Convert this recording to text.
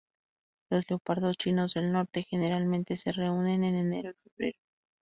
Los leopardos chinos del Norte generalmente se reúnen en enero y febrero.